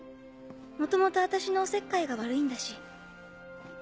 もともと私のおせっかいが悪いんだし。